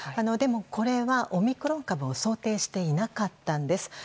でも、これはオミクロン株を想定していなかったんです。